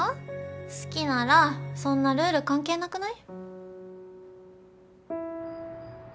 好きならそんなルール関係なくない？